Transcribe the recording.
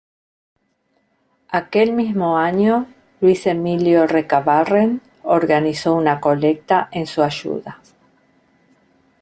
Aquel mismo año, Luis Emilio Recabarren organizó una colecta en su ayuda.